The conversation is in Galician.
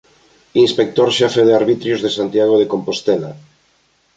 Inspector xefe de arbitrios de Santiago de Compostela.